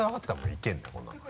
いけるんだこんなのは。